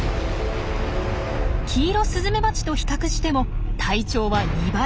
キイロスズメバチと比較しても体長は２倍。